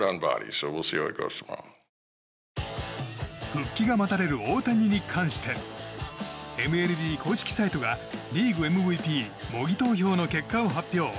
復帰が待たれる大谷に関してＭＬＢ公式サイトがリーグＭＶＰ模擬投票の結果を発表。